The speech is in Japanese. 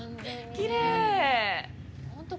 きれい。